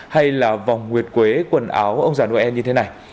hay là vòng nguyệt quế quần áo ông già noel như thế này